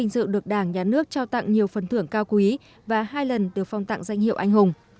dự được đảng nhà nước trao tặng nhiều phần thưởng cao quý và hai lần được phong tặng danh hiệu anh hùng